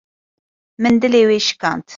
Min dilê wê şikand